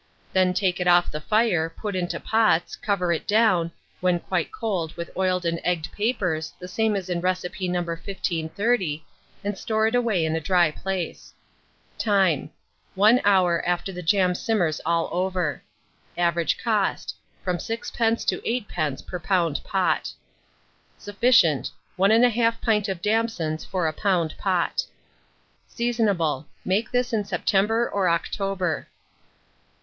Then take it off the fire, put into pots, cover it down, when quite cold, with oiled and egged papers, the same as in recipe No. 1530, and store it away in a dry place. Time. 1 hour after the jam simmers all over. Average cost, from 6d. to 8d. per lb. pot. Sufficient. 1 1/2 pint of damsons for a lb. pot. Seasonable. Make this in September or October.